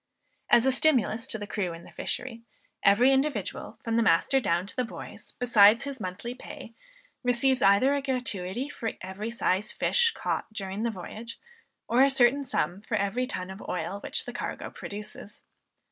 As a stimulus to the crew in the fishery, every individual, from the master down to the boys, besides his monthly pay, receives either a gratuity for every size fish caught during the voyage, or a certain sum for every ton of oil which the cargo produces.